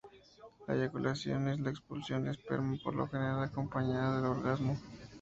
La eyaculación es la expulsión de esperma, por lo general acompañada del orgasmo.